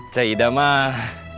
cik ida mah